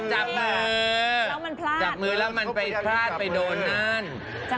จับมือแล้วมันไปพลาดไปโดนนั่น